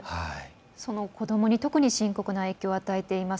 その子どもに特に深刻な影響を与えています